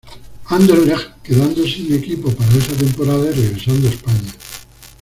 Anderlecht, quedando sin equipo para esa temporada y regresando a España.